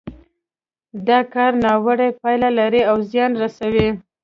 دا کار ناوړه پايلې لري او زيان رسوي.